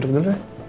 duduk dulu ya